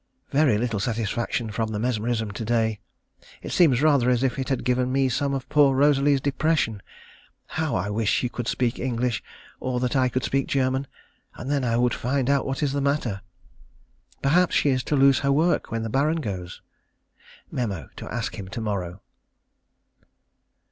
Very little satisfaction from the mesmerism to day. It seems rather as if it had given me some of poor Rosalie's depression. How I wish she could speak English, or that I could speak German, and then I would find out what is the matter. Perhaps she is to lose her work when the Baron goes. Mem.: To ask him to morrow.